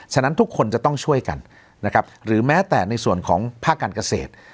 ฉะนั้นทุกคนจะต้องช่วยกันนะครับหรือแม้แต่ในส่วนของภาคการเกษตร